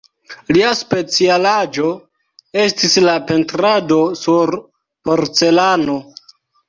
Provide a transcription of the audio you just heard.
Lia specialaĵo estis la pentrado sur porcelano.